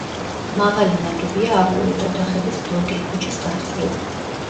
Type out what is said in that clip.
მაღალი ნაგებია აგურით, ოთახების ბლოკი, ქუჩის გასწვრივ.